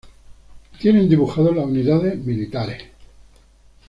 Tienen dibujados las unidades militares.